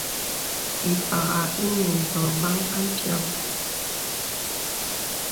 Ì pàghā ìnə nzəbəŋ à mpiaŋ.